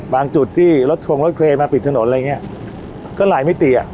จุดที่รถทงรถเครนมาปิดถนนอะไรอย่างเงี้ยก็หลายมิติอ่ะ